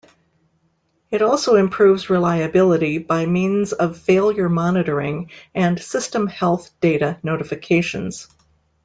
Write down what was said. It also improves reliability by means of failure monitoring and system health data notifications.